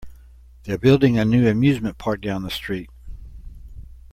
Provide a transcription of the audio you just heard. They're building a new amusement park down the street.